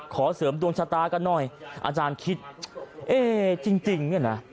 เสริมดวงชะตากันหน่อยอาจารย์คิดเอ๊ะจริงเนี่ยนะ